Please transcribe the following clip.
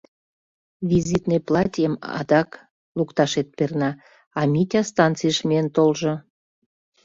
Визитный платьем адак лукташет перна, а Митя станцийыш миен толжо.